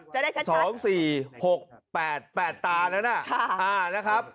จะได้ชัดนะครับอ่านี่๒๔๖๘๘ตาระนะ